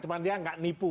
cuman dia gak nipu